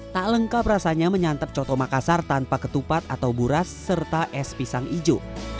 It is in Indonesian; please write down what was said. tak lengkap rasanya menyantap coto makassar tanpa ketupat atau buras serta es pisang hijau